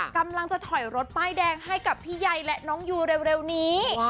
กำลังจะถอยรถป้ายแดงให้กับพี่ใยและน้องยูเร็วนี้